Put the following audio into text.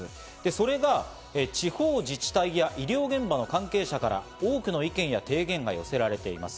それが地方自治体や医療現場の関係者から多くの意見や提言が寄せられています。